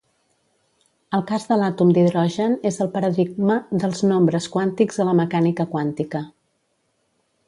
El cas de l'àtom d'hidrogen és el paradigma dels nombres quàntics a la mecànica quàntica.